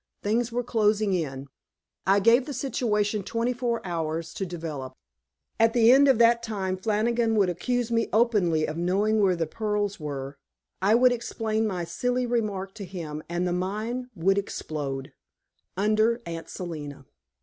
Things were closing in; I gave the situation twenty four hours to develop. At the end of that time Flannigan would accuse me openly of knowing where the pearls were; I would explain my silly remark to him and the mine would explode under Aunt Selina.